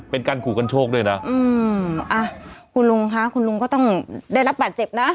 เป็นการขู่กันโชคด้วยนะอืมอ่ะคุณลุงคะคุณลุงก็ต้องได้รับบาดเจ็บนะ